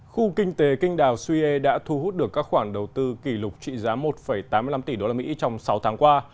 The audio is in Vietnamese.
khu kinh tế kinh đào suyê đã thu hút được các khoản đầu tư kỷ lục trị giá một tám mươi năm tỷ đô la mỹ trong sáu tháng qua